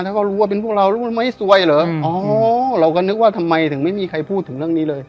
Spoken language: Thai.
ถ้าเขารู้ว่าเป็นพวกเรารู้ว่าไม่ซวยเหรออ๋อเราก็นึกว่าทำไมถึงไม่มีใครพูดถึงเรื่องนี้เลย